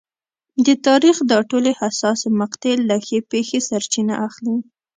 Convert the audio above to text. د تاریخ دا ټولې حساسې مقطعې له هغې پېښې سرچینه اخلي.